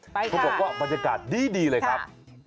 เขาบอกว่าบรรยากาศดีเลยครับ